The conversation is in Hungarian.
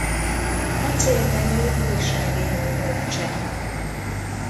Aczél Benő újságíró öccse.